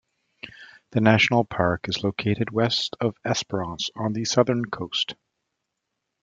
The National Park is located west of Esperance on the southern coast.